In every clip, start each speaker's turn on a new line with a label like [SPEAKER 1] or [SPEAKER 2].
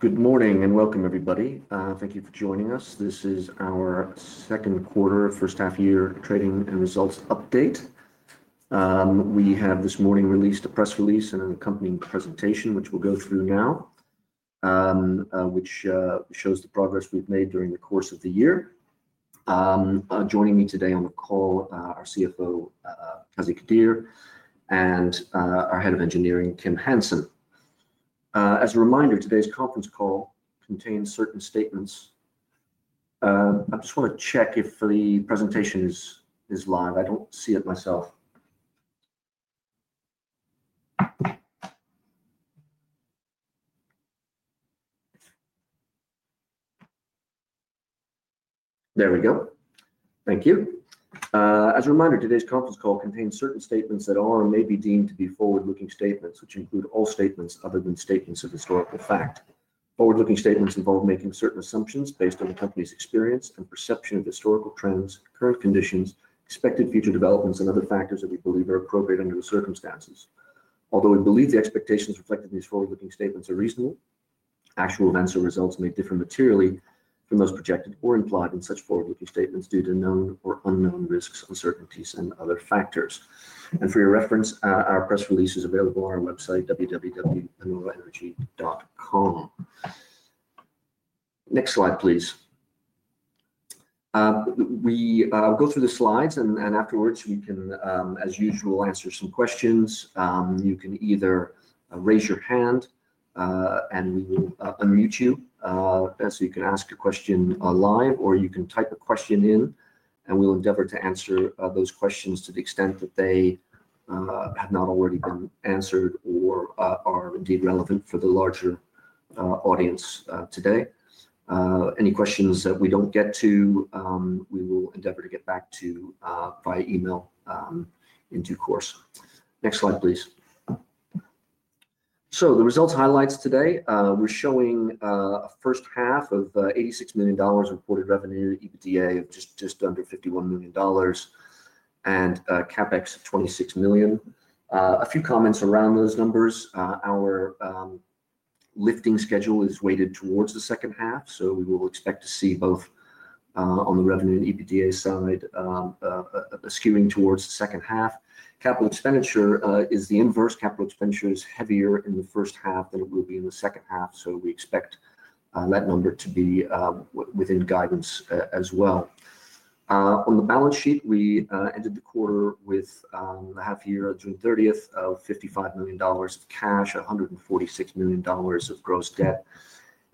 [SPEAKER 1] Good morning and welcome, everybody. Thank you for joining us. This is our second quarter, first half of the year trading and results update. We have this morning released a press release and an accompanying presentation, which we'll go through now, which shows the progress we've made during the course of the year. Joining me today on the call are our CFO, Qazi Qadeer, and our Head of Engineering, Kim Hansen. As a reminder, today's conference call contains certain statements. I just want to check if the presentation is live. I don't see it myself. There we go.
[SPEAKER 2] Thank you. As a reminder, today's conference call contains certain statements that are and may be deemed to be forward-looking statements, which include all statements other than statements of historical fact. Forward-looking statements involve making certain assumptions based on the company's experience and perception of historical trends, current conditions, expected future developments, and other factors that we believe are appropriate under the circumstances. Although we believe the expectations reflected in these forward-looking statements are reasonable, actual events or results may differ materially from those projected or implied in such forward-looking statements due to known or unknown risks, uncertainties, and other factors. For your reference, our press release is available on our website, www.panoroenergy.com.
[SPEAKER 1] Next slide, please.
[SPEAKER 2] We will go through the slides, and afterwards, we can, as usual, answer some questions. You can either raise your hand and we will unmute you so you can ask a question live, or you can type a question in, and we'll endeavor to answer those questions to the extent that they have not already been answered or are indeed relevant for the larger audience today. Any questions that we don't get to, we will endeavor to get back to by e-mail in due course.
[SPEAKER 1] Next slide, please.
[SPEAKER 2] The results highlights today. We're showing a first half of $86 million in reported revenue, EBITDA of just under $51 million, and CapEx of $26 million. A few comments around those numbers. Our lifting schedule is weighted towards the second half, so we will expect to see both on the revenue and EBITDA side a skewing towards the second half. Capital expenditure is the inverse. Capital expenditure is heavier in the first half than it will be in the second half, so we expect that number to be within guidance as well. On the balance sheet, we ended the quarter with a half-year June 30th of $55 million of cash, $146 million of gross debt,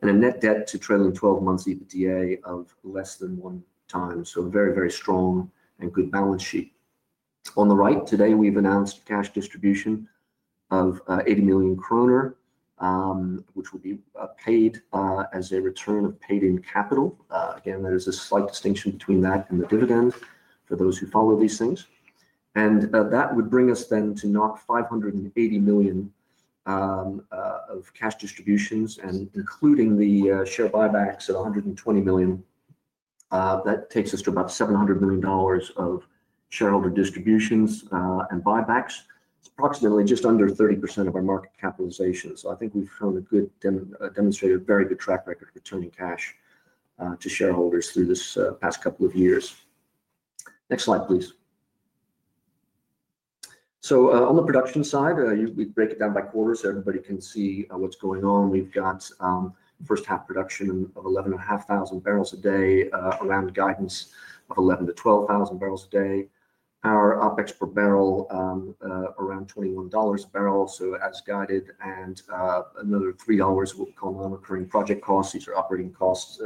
[SPEAKER 2] and a net debt to trailing 12-month EBITDA of less than one time. A very, very strong and good balance sheet. On the right, today we've announced a cash distribution of 80 million kroner, which will be paid as a return of paid-in capital. There is a slight distinction between that and the dividends for those who follow these things. That would bring us then to 580 million of cash distributions, and including the share buybacks at 120 million. That takes us to about $700 million of shareholder distributions and buybacks, approximately just under 30% of our market capitalization. I think we've shown a good, demonstrated a very good track record of returning cash to shareholders through this past couple of years.
[SPEAKER 1] Next slide, please.
[SPEAKER 2] On the production side, we break it down by quarter so everybody can see what's going on. We've got the first half production of 11,500 bbl a day, around the guidance of 11,000-12,000 bbl a day. Our OPEX per barrel, around $21 a barrel, as guided, and another $3 what we call normal occurring project costs. These are operating costs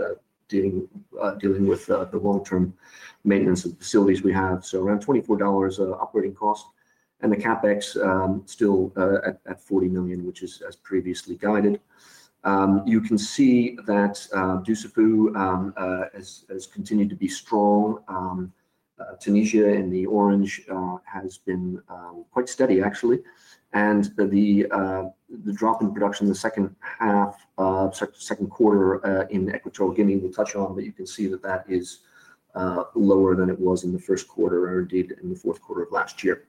[SPEAKER 2] dealing with the long-term maintenance of facilities we have. Around $24 operating cost, and the CapEx still at $40 million, which is as previously guided. You can see that Dussafu has continued to be strong. Tunisia in the orange has been quite steady, actually. The drop in production in the second quarter in Equatorial Guinea we touched on, but you can see that that is lower than it was in the first quarter or indeed in the fourth quarter of last year.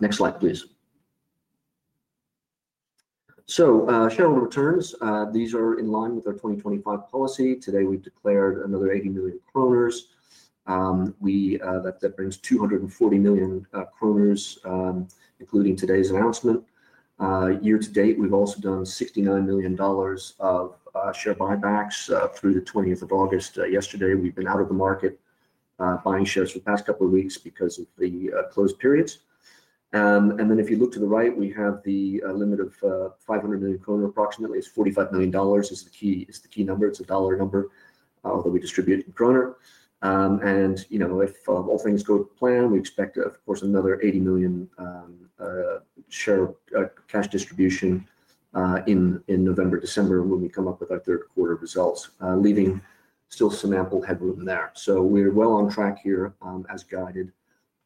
[SPEAKER 1] Next slide, please.
[SPEAKER 2] Shareholder returns, these are in line with our 2025 policy. Today we declared another 80 million kroner. That brings 240 million kroner, including today's announcement. Year to date, we've also done $69 million of share buybacks through the 20th of August. Yesterday, we've been out of the market buying shares for the past couple of weeks because of the closed periods. If you look to the right, we have the limit of 500 million kroner approximately. It's $45 million. It's the key number. It's a dollar number, although we distribute in kroner. If all things go to plan, we expect, of course, another $80 million share cash distribution in November, December when we come up with our third quarter results, leaving still some ample headroom there. We're well on track here as guided,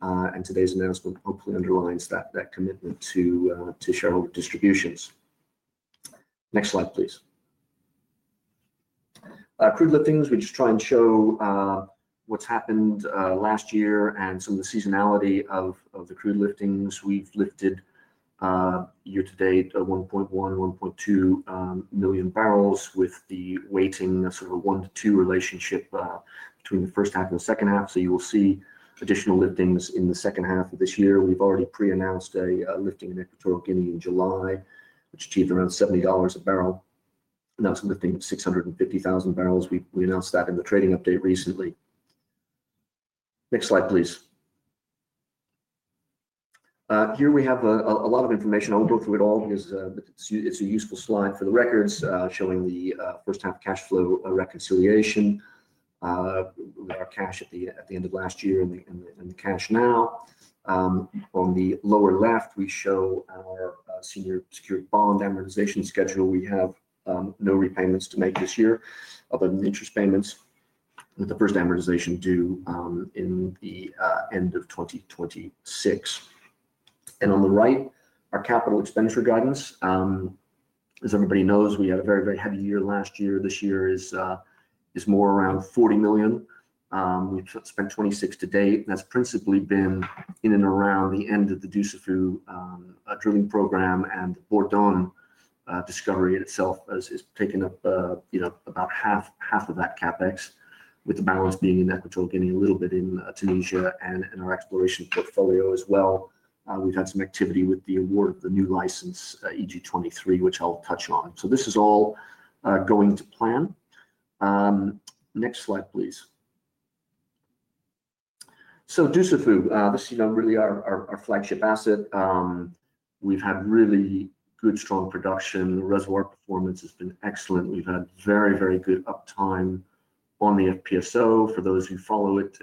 [SPEAKER 2] and today's announcement hopefully underlines that commitment to shareholder distributions.
[SPEAKER 1] Next slide, please.
[SPEAKER 2] Crude liftings, we just try and show what's happened last year and some of the seasonality of the crude liftings. We've lifted year to date 1.1 million, 1.2 million bbl with the weighting of sort of a one-to-two relationship between the first half and the second half. You will see additional liftings in the second half this year. We've already pre-announced a lifting in Equatorial Guinea in July, which achieved around $70 a barrel. Announced a lifting of 650,000 bbl. We announced that in the trading update recently.
[SPEAKER 1] Next slide, please.
[SPEAKER 2] Here we have a lot of information. I won't go through it all because it's a useful slide for the records showing the first half cash flow reconciliation with our cash at the end of last year and the cash now. On the lower left, we show our senior secured bond amortization schedule. We have no repayments to make this year other than interest payments with the first amortization due in the end of 2026. On the right, our capital expenditure guidance. As everybody knows, we had a very, very heavy year last year. This year is more around $40 million. We've spent $26 million to date, and that's principally been in and around the end of the Dussafu drilling program and Bourdon discovery itself has taken up about half of that CapEx, with the balance being in Equatorial Guinea, a little bit in Tunisia, and our exploration portfolio as well. We've had some activity with the award of the new license, EG-23, which I'll touch on. This is all going to plan.
[SPEAKER 1] Next slide, please.
[SPEAKER 2] Dussafu, this is really our flagship asset. We've had really good, strong production. The reservoir performance has been excellent. We've had very, very good uptime on the FPSO. For those who follow it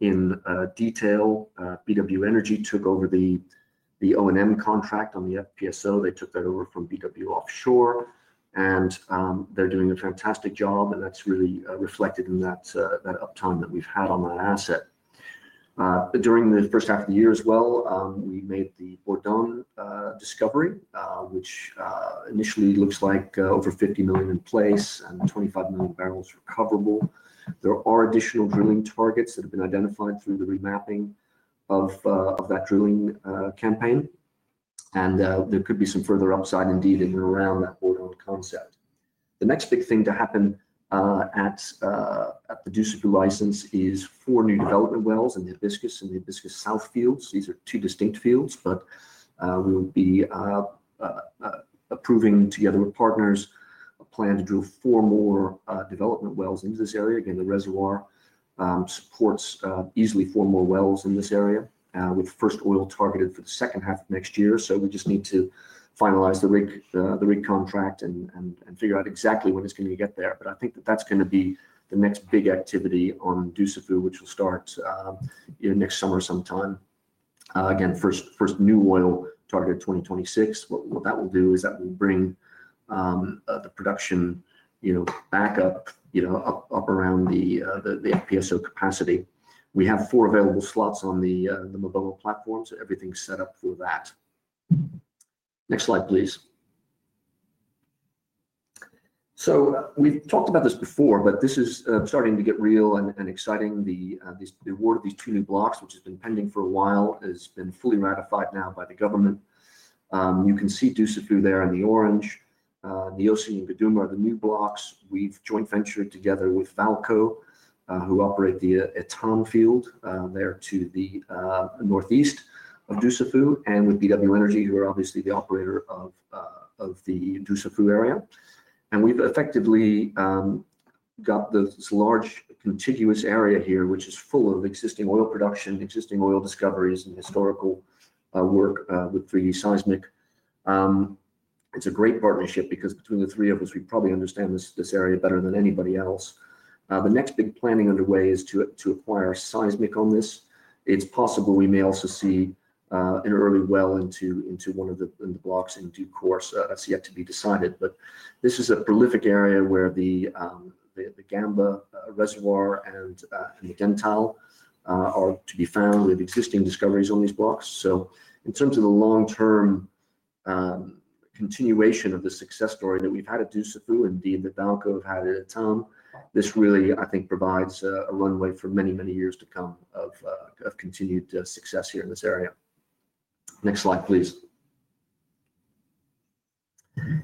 [SPEAKER 2] in detail, BW Energy took over the O&M contract on the FPSO. They took that over from BW Offshore, and they're doing a fantastic job, and that's really reflected in that uptime that we've had on that asset. During the first half of the year as well, we made the Bourdon discovery, which initially looks like over 50 million in place and 25 million bbl recoverable. There are additional drilling targets that have been identified through the remapping of that drilling campaign, and there could be some further upside indeed in and around that Bourdon concept. The next big thing to happen at the Dussafu license is four new development wells in the Hibiscus and the Hibiscus South fields. These are two distinct fields, but we'll be approving together with partners a plan to drill four more development wells into this area. Again, the reservoir supports easily four more wells in this area, with the first oil targeted for the second half of next year. We just need to finalize the rig contract and figure out exactly when it's going to get there. I think that that's going to be the next big activity on Dussafu, which will start next summer sometime. Again, first new oil target 2026. What that will do is that will bring the production back up around the FPSO capacity. We have four available slots on the MaBoMo platform, so everything's set up for that.
[SPEAKER 1] Next slide, please.
[SPEAKER 2] We've talked about this before, but this is starting to get real and exciting. The award of these two new blocks, which has been pending for a while, has been fully ratified now by the government. You can see Dussafu there in the orange. Niosi and Guduma are the new blocks. We've joint ventured together with Vaalco, who operate the Etame Field there to the northeast of Dussafu, and with BW Energy, who are obviously the operator of the Dussafu area. We've effectively got this large contiguous area here, which is full of existing oil production, existing oil discoveries, and historical work with 3D seismic. It's a great partnership because between the three of us, we probably understand this area better than anybody else. The next big planning underway is to acquire seismic on this. It's possible we may also see an early well into one of the blocks in due course. That's yet to be decided, but this is a prolific area where the Gamba reservoir and the Dentale are to be found with existing discoveries on these blocks. In terms of the long-term continuation of the success story that we've had at Dussafu and that VAALCO Energy have had at Etame, this really, I think, provides a runway for many, many years to come of continued success here in this area.
[SPEAKER 1] Next slide, please.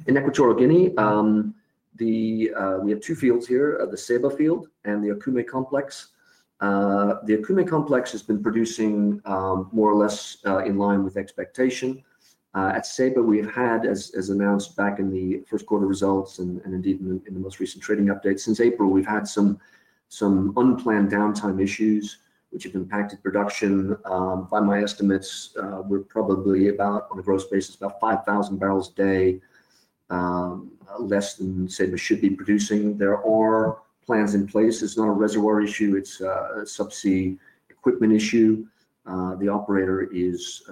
[SPEAKER 1] In Equatorial Guinea, we have two fields here, the Ceiba field and the Okume Complex. The Okume Complex has been producing more or less in line with expectation. At Ceiba, we have had, as announced back in the first quarter results and indeed in the most recent trading update since April, we've had some unplanned downtime issues which have impacted production. By my estimates, we're probably about, on a gross basis, about 5,000 bbl a day less than Ceiba should be producing. There are plans in place. It's not a reservoir issue. It's a subsea equipment issue. The operator is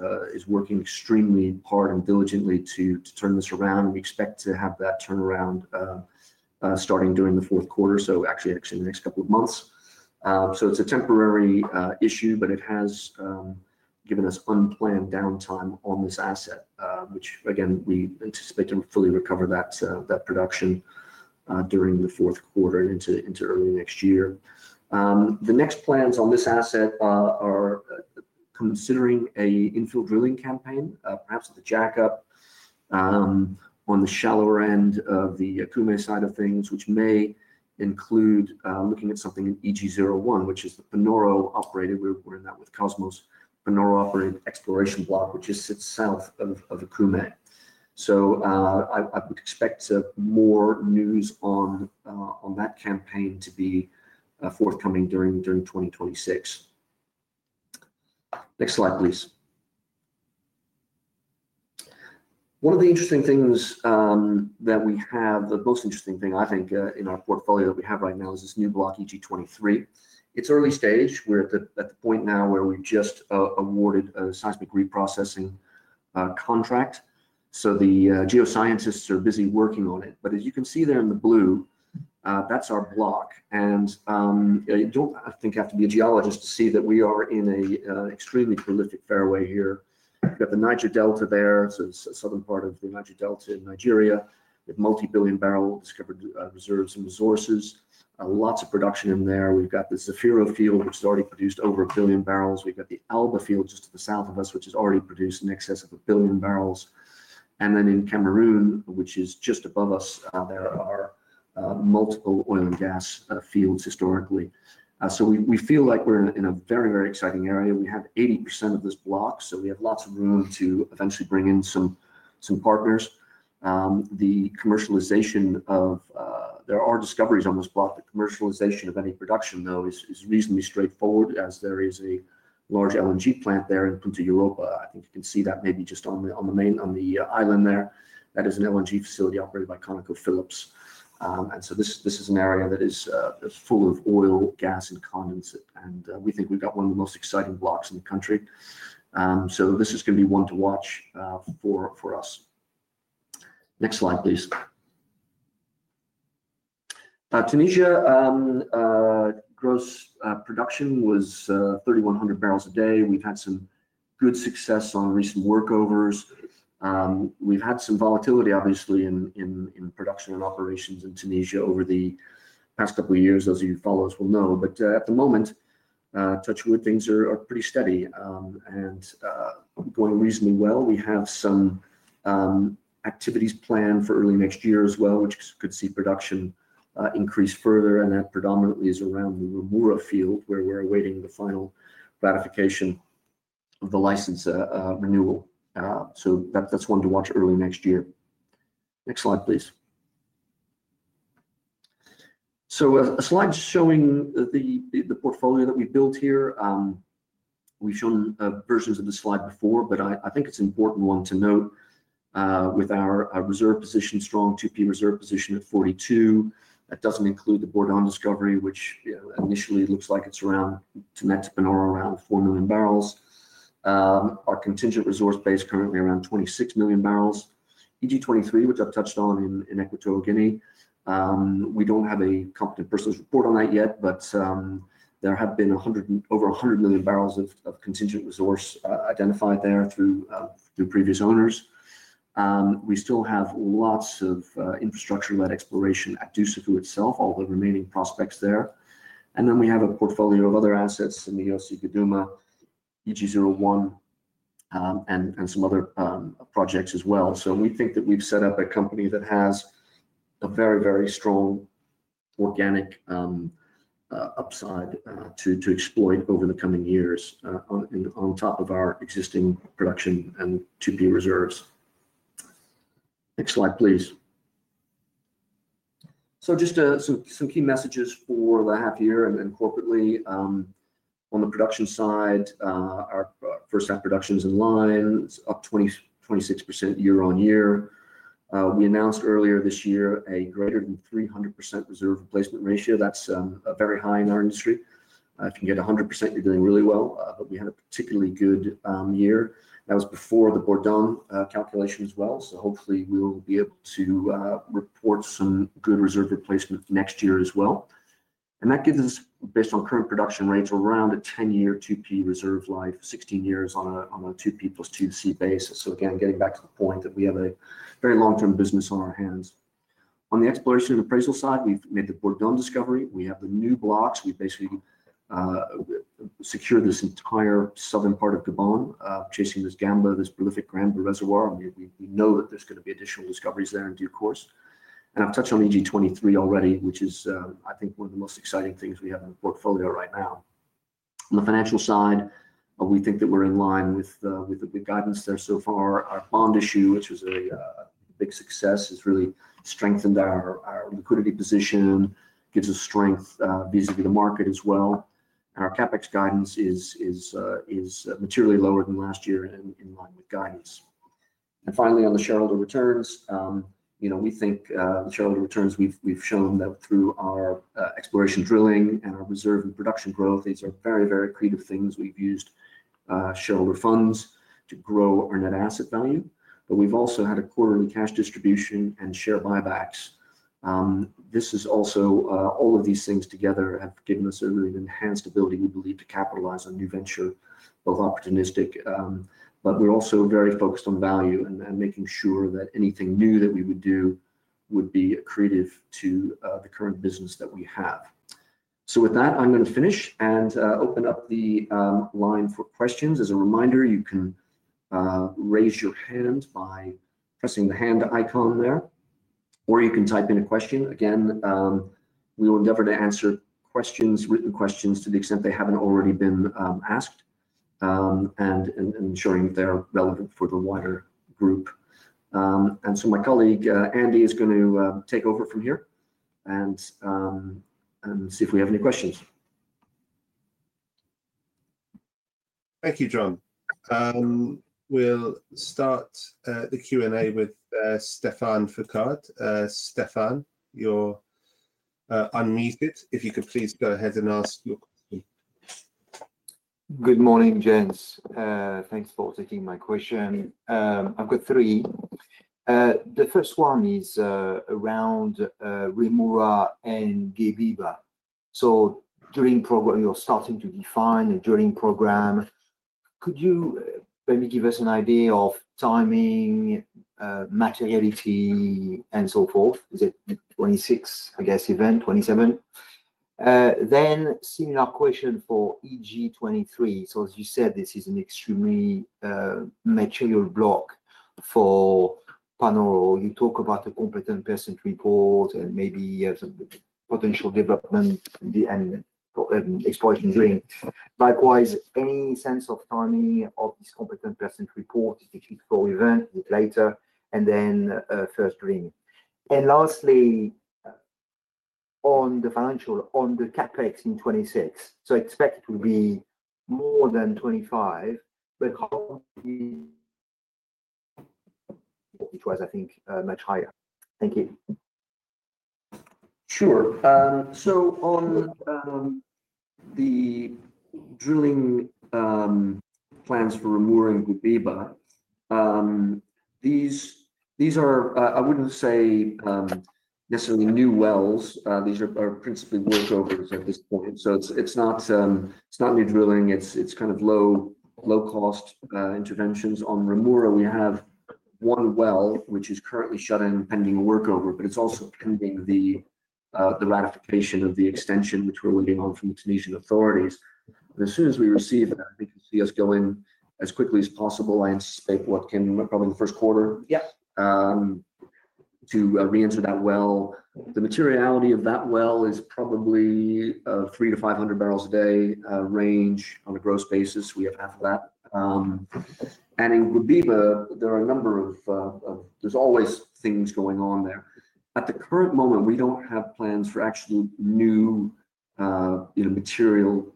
[SPEAKER 1] working extremely hard and diligently to turn this around. We expect to have that turnaround starting during the fourth quarter, actually in the next couple of months. It's a temporary issue, but it has given us unplanned downtime on this asset, which again, we anticipate to fully recover that production during the fourth quarter into early next year. The next plans on this asset are considering an infill drilling campaign, perhaps with a jackup on the shallower end of the Okume side of things, which may include looking at something in EG-01, which is the Panoro operated. We're in that with Kosmos-Panoro operated exploration block, which just sits south of Okume. I would expect more news on that campaign to be forthcoming during 2026. Next slide, please.
[SPEAKER 2] One of the interesting things that we have, the most interesting thing I think in our portfolio that we have right now is this new block, EG-23. It's early stage. We're at the point now where we've just awarded a seismic reprocessing contract. The geoscientists are busy working on it. As you can see there in the blue, that's our block. I don't think I have to be a geologist to see that we are in an extremely prolific fairway here. We've got the Niger Delta there, the southern part of the Niger Delta in Nigeria with multi-billion barrel discovered reserves and resources. Lots of production in there. We've got the Zafiro Field, which has already produced over a billion barrels. We've got the Alba Field just to the south of us, which has already produced in excess of a billion barrels. In Cameroon, which is just above us, there are multiple oil and gas fields historically. We feel like we're in a very, very exciting area. We have 80% of this block, so we have lots of room to eventually bring in some partners. The commercialization of. There are discoveries on this block. The commercialization of any production, though, is reasonably straightforward as there is a large LNG plant there in Punta Europa. I think you can see that maybe just on the main island there. That is an LNG facility operated by ConocoPhillips. This is an area that is full of oil, gas, and continents. We think we've got one of the most exciting blocks in the country. This is going to be one to watch for us.
[SPEAKER 1] Next slide, please.
[SPEAKER 2] Tunisia's gross production was 3,100 bbl a day. We've had some good success on recent workovers. We've had some volatility, obviously, in production and operations in Tunisia over the past couple of years, as you followers will know. At the moment, touch wood, things are pretty steady and going reasonably well. We have some activities planned for early next year as well, which could see production increase further. That predominantly is around the Ruemera field where we're awaiting the final ratification of the license renewal. That's one to watch early next year.
[SPEAKER 1] Next slide, please.
[SPEAKER 2] A slide showing the portfolio that we built here. We've shown versions of this slide before, but I think it's an important one to note with our reserve position, strong 2P reserve position at 42. That doesn't include the Bourdon discovery, which initially looks like it's around, to net Panoro, around 4 million bbl. Our contingent resource base currently around 26 million bbl. EG-23, which I've touched on in Equatorial Guinea, we don't have a competent purchase report on that yet, but there have been over 100 million bbl of contingent resource identified there through previous owners. We still have lots of infrastructure-led exploration at Dussafu itself, all the remaining prospects there. We have a portfolio of other assets in the EOSI, Gaduma, EG01, and some other projects as well. We think that we've set up a company that has a very, very strong organic upside to exploit over the coming years on top of our existing production and 2P reserves.
[SPEAKER 1] Next slide, please.
[SPEAKER 2] Just some key messages for the half year and corporately. On the production side, our first half production is in line. It's up 26% year-on-year. We announced earlier this year a greater than 300% reserve replacement ratio. That's very high in our industry. If you can get 100%, you're doing really well. I hope you had a particularly good year. That was before the Bourdon calculation as well. Hopefully, we will be able to report some good reserve replacement next year as well. That gives us, based on current production rates, around a 10-year 2P reserve life, 16 years on a 2P + 2C basis. Again, getting back to the point that we have a very long-term business on our hands. On the exploration and appraisal side, we've made the Bourdon discovery. We have the new blocks. We've basically secured this entire southern part of Gabon, chasing this Gamba, this prolific Gamba reservoir. We know that there's going to be additional discoveries there in due course. I've touched on EG-23 already, which is, I think, one of the most exciting things we have in the portfolio right now.
[SPEAKER 3] On the financial side.
[SPEAKER 2] We think that we're in line with the guidance there so far. Our bond issue, which was a big success, has really strengthened our liquidity position and gives us strength vis-à-vis the market as well. Our CapEx guidance is materially lower than last year in line with guidance.
[SPEAKER 1] Finally, on the shareholder returns, we think shareholder returns, we've shown that through our exploration drilling and our reserve and production growth, these are very, very accretive things. We've used shareholder funds to grow our net asset value, but we've also had a quarterly cash distribution and share buybacks. All of these things together have given us a really enhanced ability, we believe, to capitalize on new ventures, both opportunistic, but we're also very focused on value and making sure that anything new that we would do would be accretive to the current business that we have. With that, I'm going to finish and open up the line for questions. As a reminder, you can raise your hand by pressing the hand icon there, or you can type in a question. We will endeavor to answer questions, written questions, to the extent they haven't already been asked and ensuring that they're relevant for the wider group. My colleague Andy is going to take over from here and see if we have any questions.
[SPEAKER 4] Thank you, John. We'll start the Q&A with Stephane Foucaud. Stephen, you're unmuted. If you could please go ahead and ask.
[SPEAKER 5] Good morning, John. Thanks for taking my question. I've got three. The first one is around Rhemoura and Guebiba. During the program, you're starting to define a drilling program. Could you maybe give us an idea of timing, materiality, and so forth? Is it a 2026 event, 2027? Similar question for EG-23. As you said, this is an extremely material block for Panoro. You talk about a competent person report and maybe you have some potential development and exploration drilling. Likewise, any sense of timing of this competent person report as a fiscal event, a bit later, and then a first drilling. Lastly, on the financial, on the CAPEX in 2026, so expect it to be more than $25 million, but it was, I think, much higher. Thank you.
[SPEAKER 1] Sure. On the drilling plans for Rhemoura and Guebiba, these are, I wouldn't say, necessarily new wells. These are principally workovers at this point. It's not new drilling. It's kind of low-cost interventions. On Rhemoura, we have one well, which is currently shut in pending a workover, but it's also pending the ratification of the extension, which we're waiting on from the Tunisian authorities. As soon as we receive that, they can see us go in as quickly as possible. I anticipate what can probably in the first quarter, yeah, to re-enter that well. The materiality of that well is probably a 300-500 bbl a day range on a gross basis. We have half of that. In Guebiba, there are a number of, there's always things going on there. At the current moment, we don't have plans for actually new material,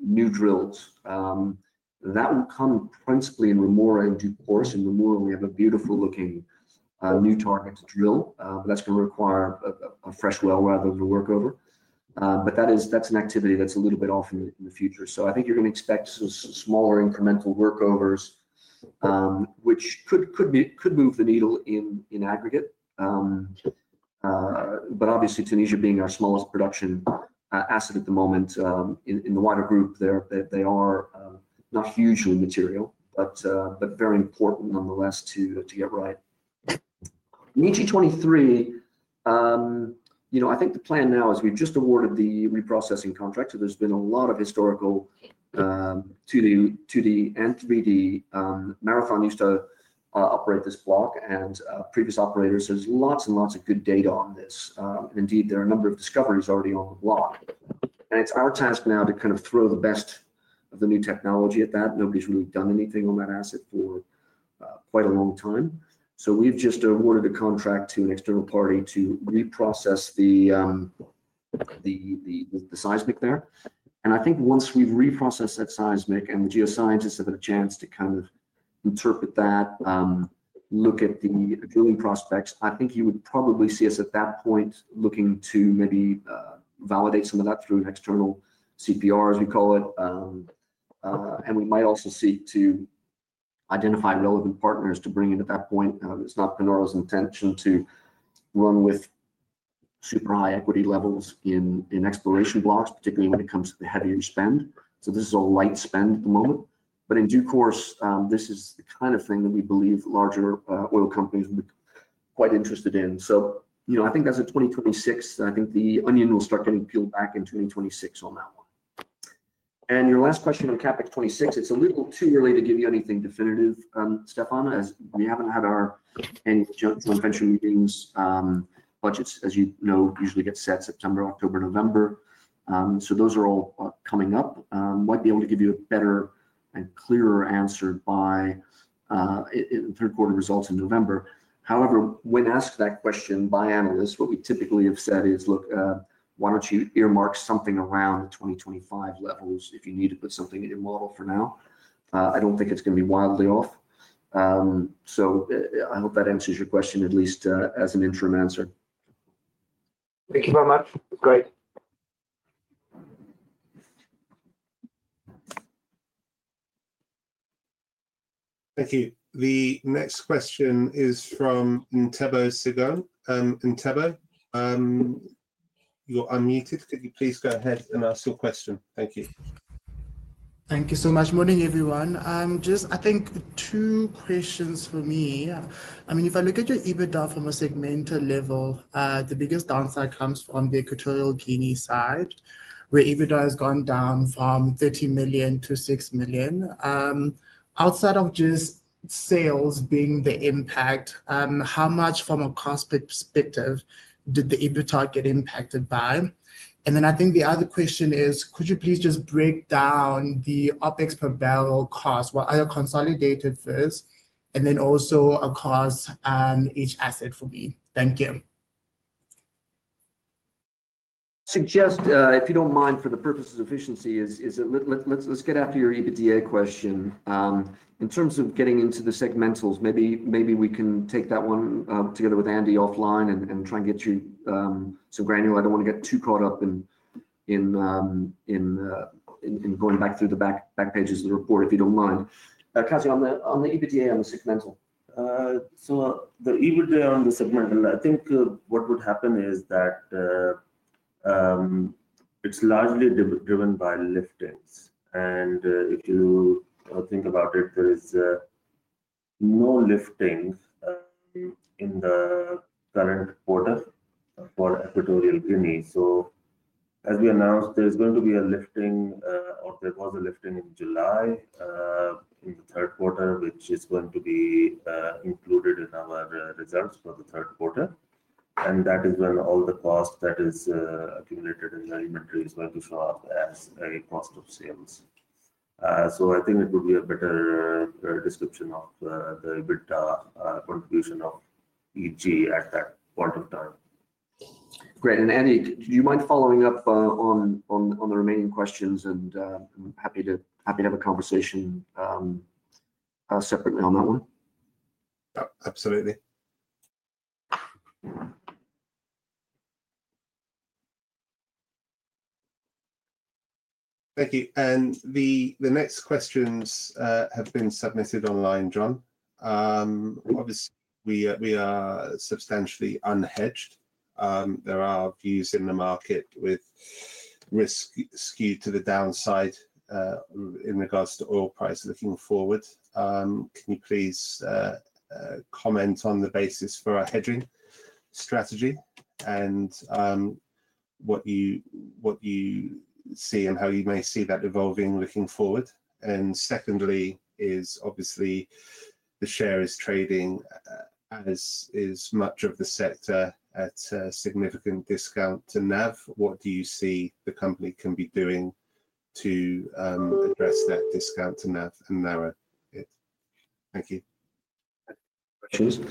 [SPEAKER 1] new drills. That will come principally in Rhemoura in due course. In Rhemoura, we have a beautiful-looking new target to drill, but that's going to require a fresh well rather than a workover. That's an activity that's a little bit off in the future. I think you're going to expect some smaller incremental workovers, which could move the needle in aggregate. Obviously, Tunisia being our smallest production asset at the moment, in the wider group, they are not hugely material, but very important nonetheless to get right. In EG-23, I think the plan now is we've just awarded the reprocessing contract. There's been a lot of historical 2D and 3D. Marathon used to operate this block and previous operators. There's lots and lots of good data on this. Indeed, there are a number of discoveries already on the block. It's our task now to kind of throw the best of the new technology at that. Nobody's really done anything on that asset for quite a long time. We've just awarded a contract to an external party to reprocess the seismic there. I think once we've reprocessed that seismic and the geoscientists have had a chance to kind of interpret that, look at the drilling prospects, I think you would probably see us at that point looking to maybe validate some of that through an external CPR, as we call it. We might also seek to identify relevant partners to bring in at that point. It's not Panoro's intention to run with super high equity levels in exploration blocks, particularly when it comes to the heavier spend. This is all light spend at the moment. In due course, this is the kind of thing that we believe larger oil companies would be quite interested in. I think as of 2026, the onion will start getting peeled back in 2026 on that one. Your last question on CapEx 26, it's a little too early to give you anything definitive, Stefan, as we haven't had our annual joint venture meetings. Budgets, as you know, usually get set September, October, November. Those are all coming up. Might be able to give you a better and clearer answer by the third quarter results in November. However, when asked that question by analysts, what we typically have said is, look, why don't you earmark something around the 2025 levels if you need to put something at your model for now? I don't think it's going to be wildly off. I hope that answers your question at least as an answer.
[SPEAKER 5] Thank you very much.
[SPEAKER 4] Thank you. The next question is from Ntebogang Segone. Ntebogang, you're unmuted. Could you please go ahead and ask your question? Thank you.
[SPEAKER 6] Thank you so much. Morning everyone. I think two questions for me. If I look at your EBITDA from a segmental level, the biggest downside comes from the Equatorial Guinea side, where EBITDA has gone down from $30 million-$6 million. Outside of just sales being the impact, how much from a cost perspective did the EBITDA get impacted by? Could you please just break down the OpEx per barrel cost? What are your consolidated first, and then also, of course, each asset for me. Thank you.
[SPEAKER 1] Suggest, if you don't mind, for the purpose of efficiency, let's get after your EBITDA question. In terms of getting into the segmentals, maybe we can take that one together with Andy offline and try and get you some granular. I don't want to get too caught up in going back through the back pages of the report, if you don't mind. Qazi, on the EBITDA and the segmental.
[SPEAKER 3] The EBITDA on the segmental, I think what would happen is that it's largely driven by liftings. If you think about it, there is no liftings in the current quarter for Equatorial Guinea. As we announced, there is going to be a lifting or there was a lifting in July in the third quarter, which is going to be included in our results for the third quarter. That is when all the cost that is accumulated in the inventories will be thought as a cost of sales. I think it would be a better description of the EBITDA contribution of EG at that point of time.
[SPEAKER 1] Great. Andy, do you mind following up on the remaining questions? I'm happy to have a conversation separately on that one.
[SPEAKER 4] Absolutely. Thank you. The next questions have been submitted online, John. Obviously, we are substantially unhedged. There are views in the market with risk skewed to the downside in regards to oil price looking forward. Can you please comment on the basis for our hedging strategy and what you see and how you may see that evolving looking forward? Secondly, the share is trading, as is much of the sector, at a significant discount to NAV. What do you see the company can be doing to address that discount to NAV and narrow it? Thank you.
[SPEAKER 1] Sure.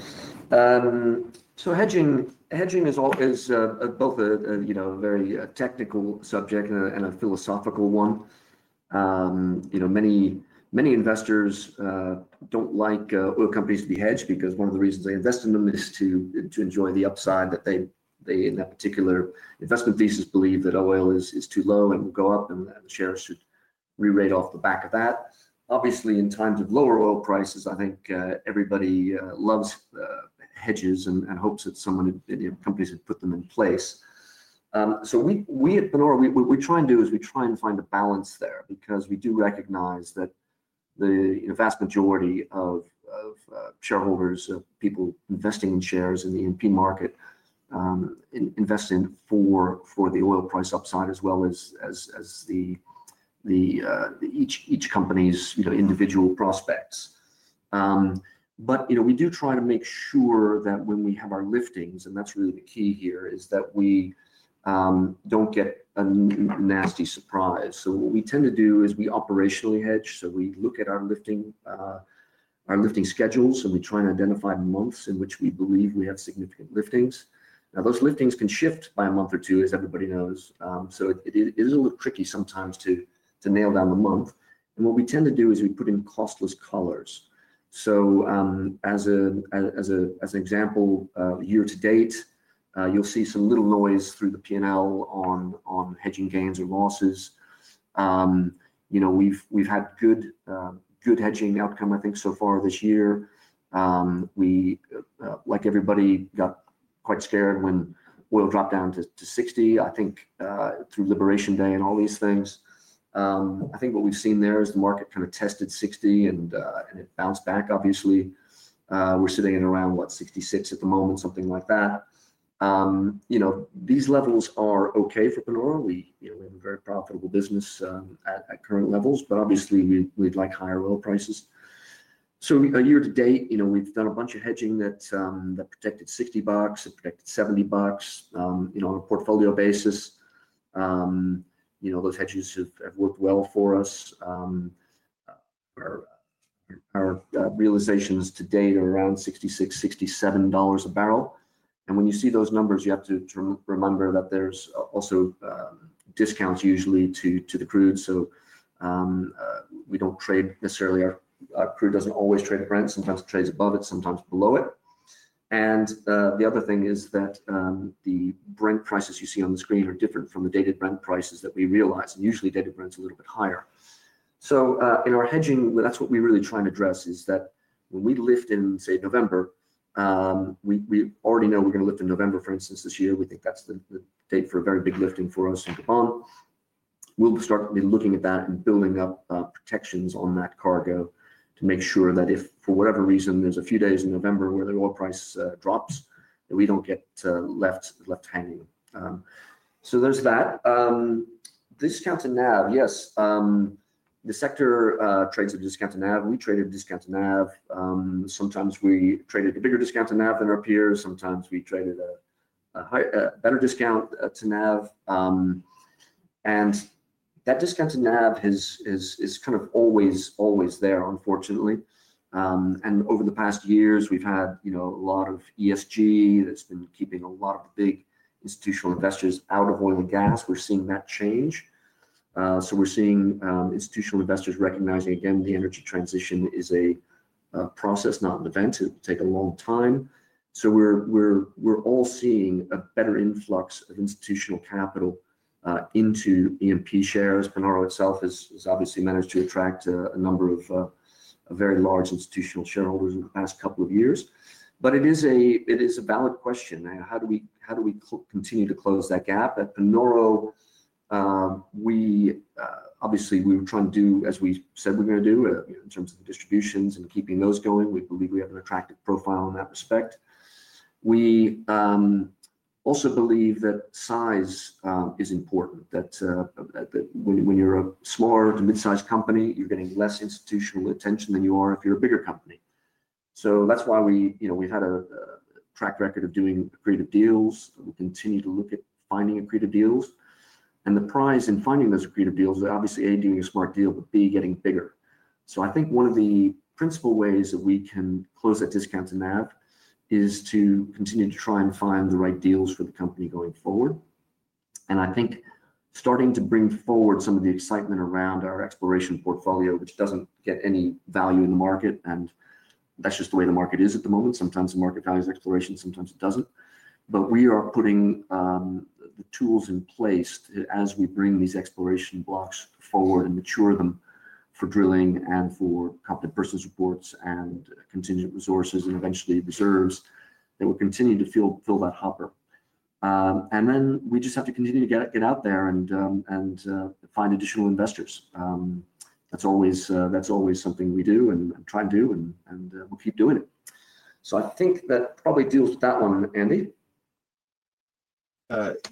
[SPEAKER 1] Hedging is both a very technical subject and a philosophical one. Many investors don't like oil companies to be hedged because one of the reasons they invest in them is to enjoy the upside that they, in that particular investment thesis, believe that oil is too low and will go up and the shares should re-rate off the back of that. Obviously, in times of lower oil prices, I think everybody loves hedges and hopes that some companies have put them in place. At Panoro, what we try and do is we try and find a balance there because we do recognize that the vast majority of shareholders, of people investing in shares in the E&P market, invest in for the oil price upside as well as each company's individual prospects. We do try to make sure that when we have our liftings, and that's really the key here, is that we don't get a nasty surprise. What we tend to do is we operationally hedge. We look at our lifting schedules and we try and identify months in which we believe we have significant liftings. Those liftings can shift by a month or two, as everybody knows. It is a little tricky sometimes to nail down the month. What we tend to do is we put in costless collars. As an example, year to date, you'll see some little noise through the P&L on hedging gains or losses. We've had good hedging outcome, I think, so far this year. We, like everybody, got quite scared when oil dropped down to $60, I think, through Liberation Day and all these things. I think what we've seen there is the market kind of tested $60 and it bounced back, obviously. We're sitting at around, what, $66 at the moment, something like that. These levels are okay for Panoro. We're in a very profitable business at current levels, but obviously, we'd like higher oil prices. Year to date, we've done a bunch of hedging that protected $60, that protected $70, on a portfolio basis. Those hedges have worked well for us. Our realizations to date are around $66, $67 a barrel. When you see those numbers, you have to remember that there's also discounts usually to the crude. We don't trade necessarily, our crude doesn't always trade at Brent. Sometimes it trades above it, sometimes below it. The other thing is that the Brent prices you see on the screen are different from the dated Brent prices that we realize. Usually, dated Brent is a little bit higher. In our hedging, that's what we really try and address is that when we lift in, say, November, we already know we're going to lift in November, for instance, this year. We think that's the date for a very big lifting for us in Gabon. We start looking at that and building up protections on that cargo to make sure that if for whatever reason there's a few days in November where the oil price drops, we don't get left hanging. There's that. Discount to NAV, yes. The sector trades at a discount to NAV. We trade at a discount to NAV. Sometimes we trade at a bigger discount to NAV than our peers. Sometimes we trade at a better discount to NAV. That discount to NAV is kind of always, always there, unfortunately. Over the past years, we've had a lot of ESG that's been keeping a lot of the big institutional investors out of oil and gas. We're seeing that change. We're seeing institutional investors recognizing, again, the energy transition is a process, not an event. It'll take a long time. We're all seeing a better influx of institutional capital into E&P shares. Panoro itself has obviously managed to attract a number of very large institutional shareholders in the past couple of years. It is a valid question. How do we continue to close that gap? At Panoro, obviously, we are trying to do, as we said, what we're going to do in terms of the distributions and keeping those going. We believe we have an attractive profile in that respect. We also believe that size is important. When you're a smaller to mid-sized company, you're getting less institutional attention than you are if you're a bigger company. That's why we've had a track record of doing creative deals. We continue to look at finding creative deals. The prize in finding those creative deals is obviously, A, doing a smart deal, but, B, getting bigger. I think one of the principal ways that we can close that discount to NAV is to continue to try and find the right deals for the company going forward. I think starting to bring forward some of the excitement around our exploration portfolio, which doesn't get any value in the market, and that's just the way the market is at the moment. Sometimes the market buys exploration, sometimes it doesn't. We are putting the tools in place as we bring these exploration blocks forward and mature them for drilling and for competent purchase reports and contingent resources and eventually reserves that will continue to fill that hopper. We just have to continue to get out there and find additional investors. That's always something we do and try and do, and we'll keep doing it. I think that probably deals with that one, Andy.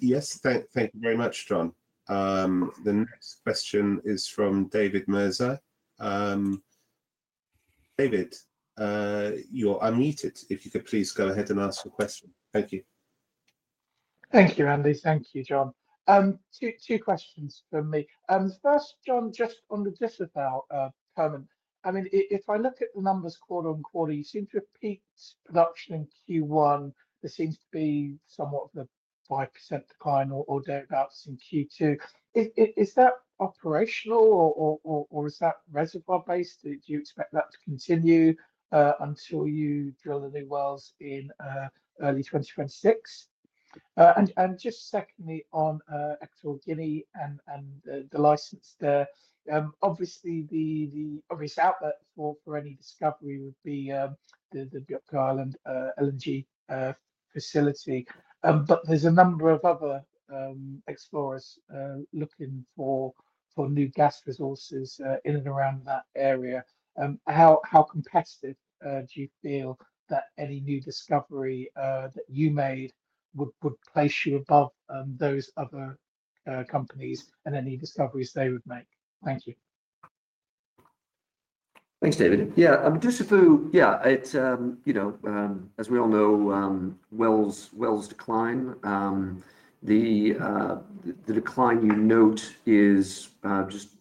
[SPEAKER 4] Yes, thank you very much, John. The next question is from David Mirzai. David, you're unmuted. If you could please go ahead and ask a question. Thank you.
[SPEAKER 7] Thank you, Andy. Thank you, John. Two questions from me. First, John, just on the Dussafu permit. I mean, if I look at the numbers quarter-on-quarter, you seem to have peaked production in Q1. There seems to be somewhat of a 5% decline or thereabouts in Q2. Is that operational or is that reservoir-based? Do you expect that to continue until you drill the new wells in early 2026? Just secondly, on Equatorial Guinea and the license there, obviously, the obvious outlet for any discovery would be the Bioko Island LNG facility. There's a number of other explorers looking for new gas resources in and around that area. How competitive do you feel that any new discovery that you made would place you above those other companies and any discoveries they would make? Thank you.
[SPEAKER 1] Thanks, David. I'm just through, it's, you know, as we all know, wells decline. The decline you note is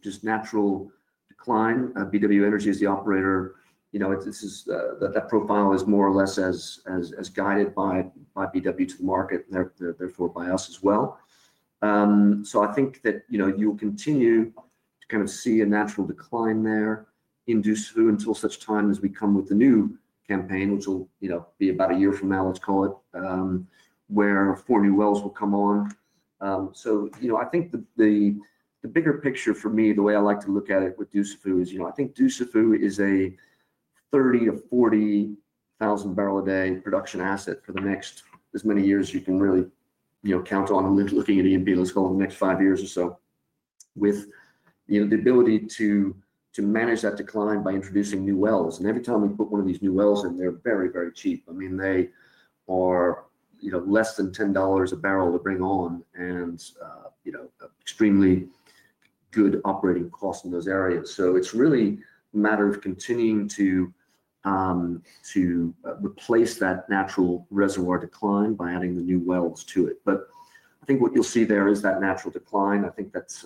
[SPEAKER 1] just natural decline. BW Energy is the operator. That profile is more or less as guided by BW to the market, therefore by us as well. I think that you'll continue to kind of see a natural decline there in Dussafu until such time as we come with the new campaign, which will be about a year from now, let's call it, where four new wells will come on. I think the bigger picture for me, the way I like to look at it with Dussafu is, I think Dussafu is a 30,000-40,000 bbl a day production asset for the next as many years as you can really count on, looking at E&P, let's call it the next five years or so, with the ability to manage that decline by introducing new wells. Every time we put one of these new wells in, they're very, very cheap. I mean, they are less than $10 a barrel to bring on and extremely good operating costs in those areas. It's really a matter of continuing to replace that natural reservoir decline by adding the new wells to it. I think what you'll see there is that natural decline. I think that's,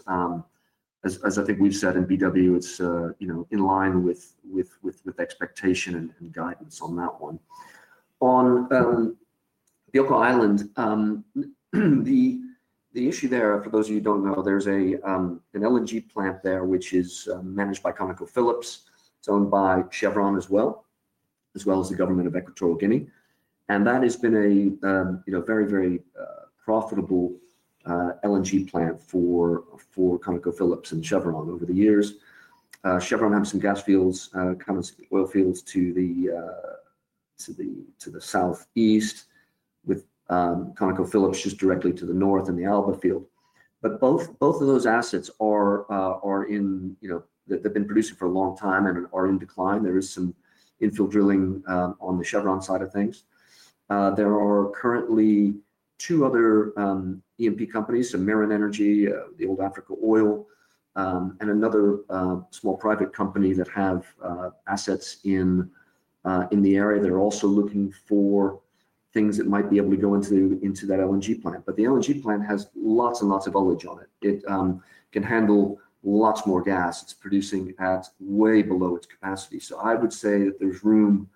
[SPEAKER 1] as I think we've said in BW, it's in line with the expectation and guidance on that one. On Bioko Island, the issue there, I propose you don't know, there's an LNG plant there which is managed by ConocoPhillips, it's owned by Chevron as well, as well as the government of Equatorial Guinea. That has been a very, very profitable LNG plant for ConocoPhillips and Chevron over the years. Chevron has some gas fields, kind of oil fields to the southeast, with ConocoPhillips just directly to the north in the Alba field. Both of those assets are in, they've been producing for a long time and are in decline. There is some infill drilling on the Chevron side of things. There are currently two other E&P companies, the Marathon Energy, the old Africa Oil, and another small private company that have assets in the area. They're also looking for things that might be able to go into that LNG plant. The LNG plant has lots and lots of ullage on it. It can handle lots more gas. It's producing at way below its capacity. I would say that there's room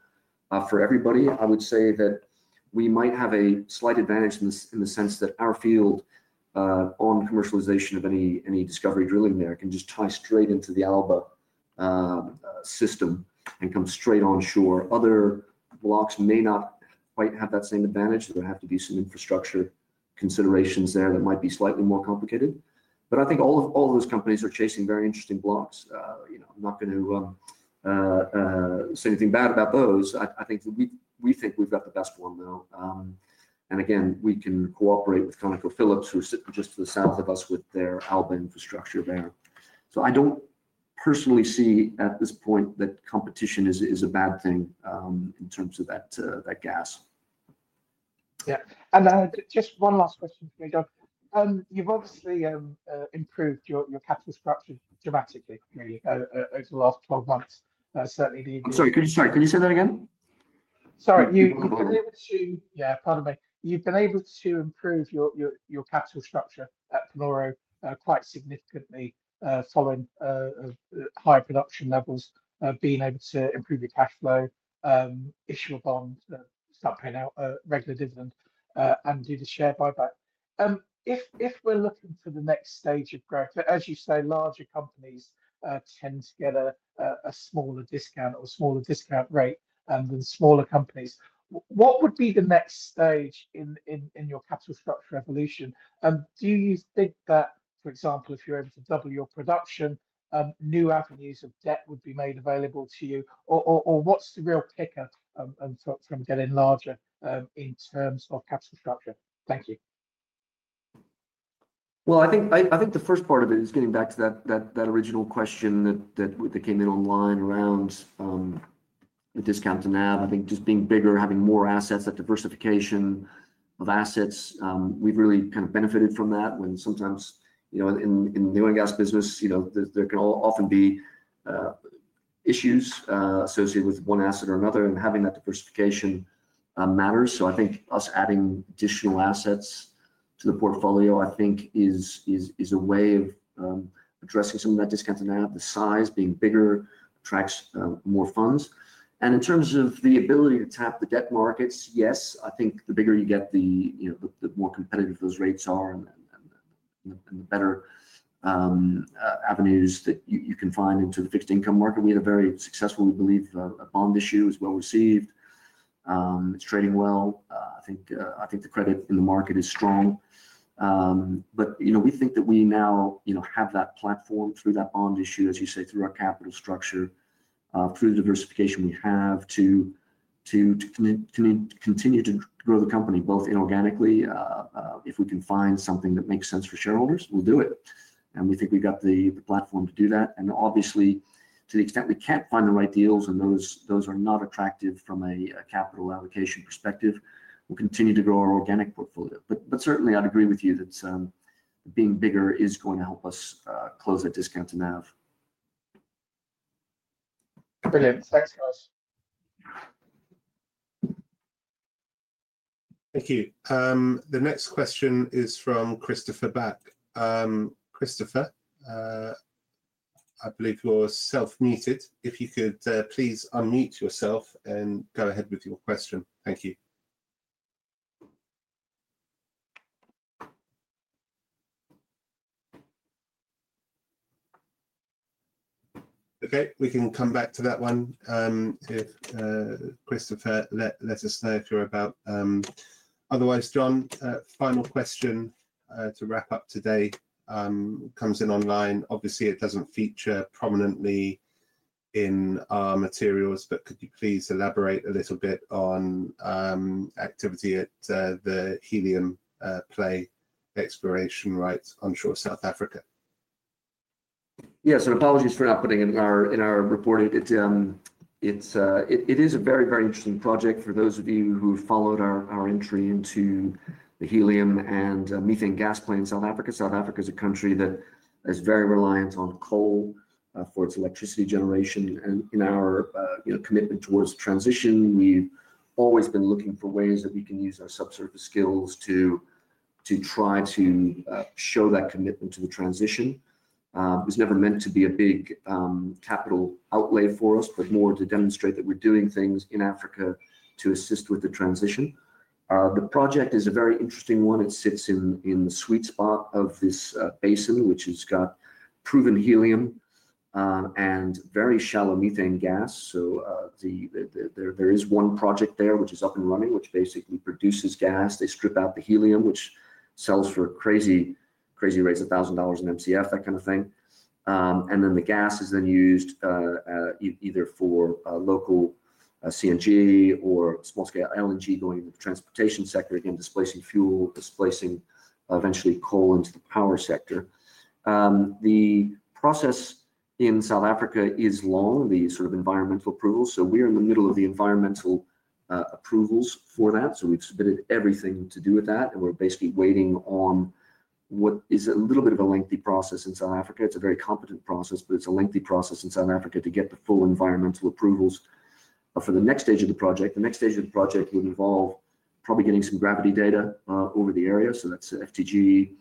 [SPEAKER 1] for everybody. I would say that we might have a slight advantage in the sense that our field on commercialization of any discovery drilling there can just tie straight into the Alba system and come straight onshore. Other blocks may not quite have that same advantage. There have to be some infrastructure considerations there that might be slightly more complicated. I think all of those companies are chasing very interesting blocks. I'm not going to say anything bad about those. I think we think we've got the best one now. Again, we can cooperate with ConocoPhillips, who sit just to the south of us with their Alba infrastructure there. I don't personally see at this point that competition is a bad thing in terms of that gas.
[SPEAKER 7] Yeah. Just one last question for you, John. You've obviously improved your capital structure dramatically over the last 12 months. Certainly the.
[SPEAKER 1] Sorry, could you say that again?
[SPEAKER 7] Sorry. You've been able to, pardon me, you've been able to improve your capital structure at Panoro quite significantly following high production levels, being able to improve your cash flow, issue a bond, start paying out a regular dividend, and do the share buyback. If we're looking for the next stage of growth, as you say, larger companies tend to get a smaller discount or a smaller discount rate than smaller companies. What would be the next stage in your capital structure evolution? Do you think that, for example, if you're able to double your production, new avenues of debt would be made available to you? What's the real pickup from getting larger in terms of capital structure? Thank you.
[SPEAKER 1] I think the first part of it is getting back to that original question that came in online around a discount to NAV. I think just being bigger, having more assets, that diversification of assets, we've really kind of benefited from that when sometimes, you know, in the oil and gas business, you know, there can often be issues associated with one asset or another, and having that diversification matters. I think us adding additional assets to the portfolio is a way of addressing some of that discount to NAV. The size being bigger attracts more funds. In terms of the ability to tap the debt markets, yes, I think the bigger you get, the more competitive those rates are and the better avenues that you can find into the fixed income market. We had a very successful, we believe, bond issue that was well received. It's trading well. I think the credit in the market is strong. We think that we now have that platform through that bond issue, as you say, through our capital structure, through the diversification we have to continue to grow the company both inorganically. If we can find something that makes sense for shareholders, we'll do it. We think we've got the platform to do that. Obviously, to the extent we can't find the right deals and those are not attractive from a capital allocation perspective, we'll continue to grow our organic portfolio. Certainly, I'd agree with you that being bigger is going to help us close that discount to NAV.
[SPEAKER 7] Brilliant. Thanks, guys.
[SPEAKER 1] Thank you.
[SPEAKER 4] The next question is from Christoffer Bachke. Christoffer, I believe you're self-muted. If you could please unmute yourself and go ahead with your question.
[SPEAKER 8] Thank you.
[SPEAKER 4] Okay, we can come back to that one if Christoffer lets us know if you're about. Otherwise, John, final question to wrap up today comes in online. Obviously, it doesn't feature prominently in our materials, but could you please elaborate a little bit on activity at the helium play exploration rights onshore South Africa?
[SPEAKER 1] Yes, apologies for not putting it in our report. It is a very, very interesting project for those of you who followed our entry into the helium and methane gas plant in South Africa. South Africa is a country that is very reliant on coal for its electricity generation. In our commitment towards the transition, we've always been looking for ways that we can use our subsurface skills to try to show that commitment to the transition. It was never meant to be a big capital outlay for us, but more to demonstrate that we're doing things in Africa to assist with the transition. The project is a very interesting one. It sits in the sweet spot of this basin, which has got proven helium and very shallow methane gas. There is one project there which is up and running, which basically produces gas. They strip out the helium, which sells for crazy, crazy rates of $1,000 an MCF, that kind of thing. The gas is then used either for local CNG or small-scale LNG going into the transportation sector, again, displacing fuel, displacing eventually coal into the power sector. The process in South Africa is long, the sort of environmental approvals. We're in the middle of the environmental approvals for that. We've submitted everything to do with that, and we're basically waiting on what is a little bit of a lengthy process in South Africa. It's a very competent process, but it's a lengthy process in South Africa to get the full environmental approvals for the next stage of the project. The next stage of the project would involve probably getting some gravity data over the area. That's the FTG.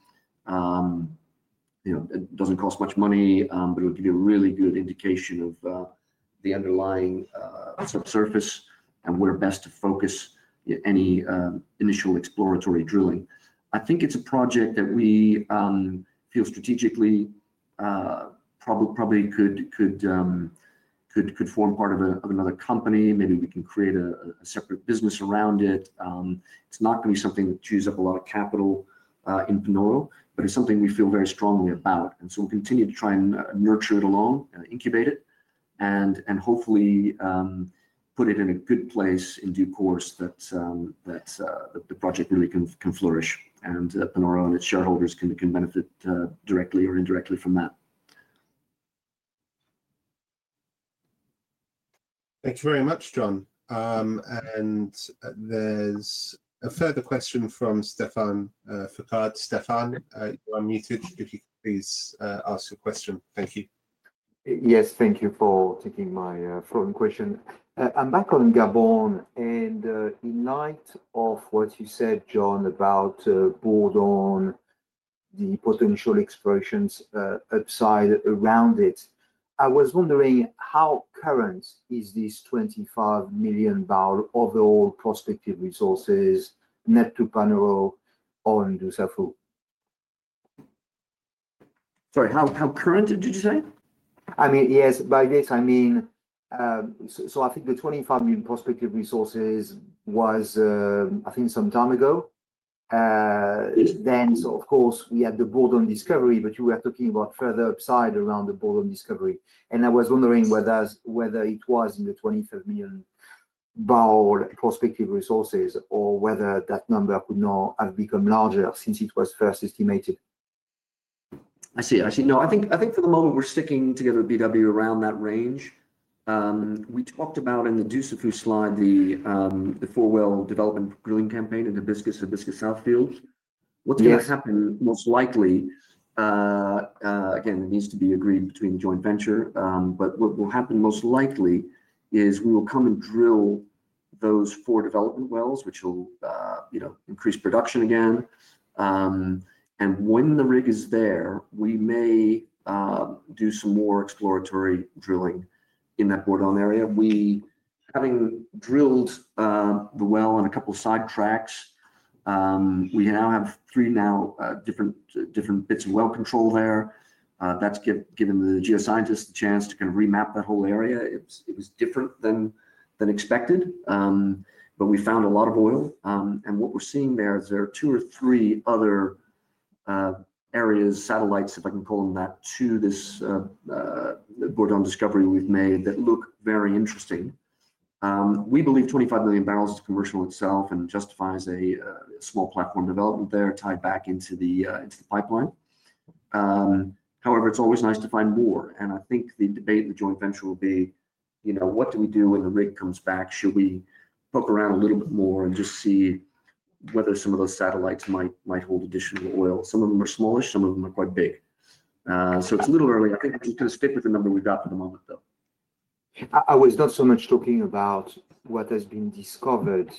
[SPEAKER 1] It doesn't cost much money, but it'll give you a really good indication of the underlying subsurface and where best to focus any initial exploratory drilling. I think it's a project that we feel strategically probably could form part of another company. Maybe we can create a separate business around it. It's not going to be something that chews up a lot of capital in Panoro, but it's something we feel very strongly about. We'll continue to try and nurture it alone and incubate it and hopefully put it in a good place in due course that the project really can flourish and that Panoro and its shareholders can benefit directly or indirectly from that.
[SPEAKER 4] Thank you very much, John. There is a further question from Stephen Foucaud. Stephen, you're unmuted. Could you please ask your question? Thank you.
[SPEAKER 5] Yes, thank you for taking my forward question. I'm back on Gabon and in light of what you said, John, about Bourdon, the potential exploration upside around it, I was wondering how current is this 25 million bbl overall prospective resources net to Panoro or in Dussafu?
[SPEAKER 1] Sorry, how current did you say?
[SPEAKER 5] I mean, yes, by this, I mean, I think the 25 million bbl prospective resources was, I think, some time ago. Of course, we had the Bourdon discovery, but you were talking about further upside around the Bourdon discovery. I was wondering whether it was in the 25 million bbl prospective resources or whether that number could not have become larger since it was first estimated.
[SPEAKER 1] I see. Actually, no, I think for the moment we're sticking together with BW Energy around that range. We talked about in the Dussafu slide the four well development drilling campaign in the Hibiscus/Hibiscus South field. What's going to happen most likely, again, it needs to be agreed between joint venture, but what will happen most likely is we will come and drill those four development wells, which will increase production again. When the rig is there, we may do some more exploratory drilling in that Bourdon area. Having drilled the well on a couple of side tracks, we now have three different bits of well control there. That's given the geoscientists the chance to kind of remap that whole area. It was different than expected, but we found a lot of oil. What we're seeing there is there are two or three other areas, satellites, if I can call them that, to this Bourdon discovery we've made that look very interesting. We believe 25 million bbl is commercial itself and justifies a small platform development there tied back into the pipeline. However, it's always nice to find more. I think the debate in the joint venture will be, you know, what do we do when the rig comes back? Should we poke around a little bit more and just see whether some of those satellites might hold additional oil? Some of them are smallish, some of them are quite big. It's a little early. I think we're just going to stick with the number we've got for the moment, though.
[SPEAKER 5] I was not so much talking about what has been discovered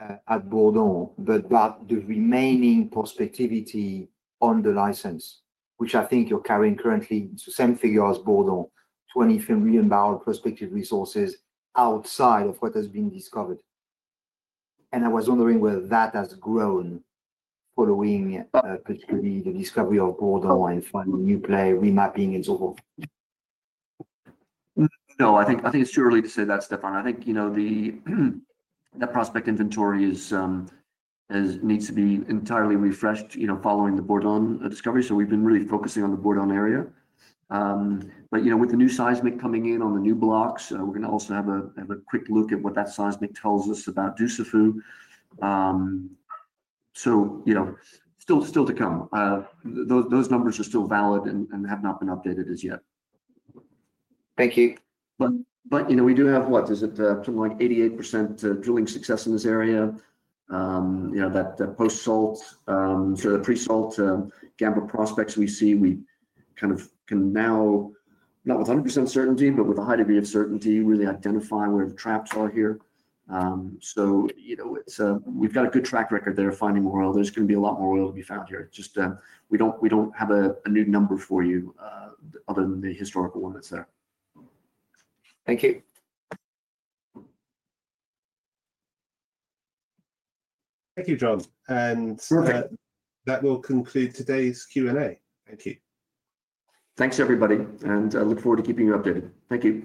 [SPEAKER 5] at Bourdon, but about the remaining prospectivity on the license, which I think you're carrying currently into some figures. Bourdon, 25 million bbl prospective resources outside of what has been discovered. I was wondering whether that has grown following particularly the discovery of Bourdon and the final new play remapping and so forth.
[SPEAKER 1] No, I think it's too early to say that, Stephen. I think, you know, that prospect inventory needs to be entirely refreshed, you know, following the Bourdon discovery. We've been really focusing on the Bourdon area. With the new seismic coming in on the new blocks, we're going to also have a quick look at what that seismic tells us about Dussafu. Still to come. Those numbers are still valid and have not been updated as yet.
[SPEAKER 5] Thank you. We do have, what, is it something like 88% drilling success in this area? That post-salt, sort of pre-salt Gamba prospects we see, we kind of can now, not with 100% certainty, but with a high degree of certainty, really identify where the traps are here. We've got a good track record there of finding more oil. There's going to be a lot more oil to be found here. We don't have a new number for you other than the historical one that's there. Thank you.
[SPEAKER 4] Thank you, John. That will conclude today's Q&A. Thank you.
[SPEAKER 1] Thank you, everybody. I look forward to keeping you updated. Thank you.